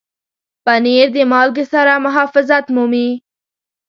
پنېر د مالګې سره محافظت مومي.